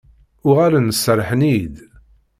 Uɣalen serrḥen-iyi-d.